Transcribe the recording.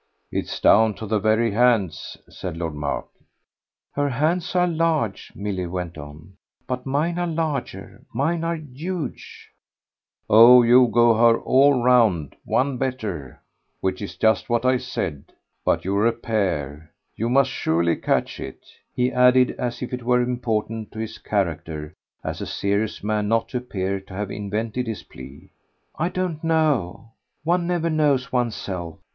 "It's down to the very hands," said Lord Mark. "Her hands are large," Milly went on, "but mine are larger. Mine are huge." "Oh you go her, all round, 'one better' which is just what I said. But you're a pair. You must surely catch it," he added as if it were important to his character as a serious man not to appear to have invented his plea. "I don't know one never knows one's self.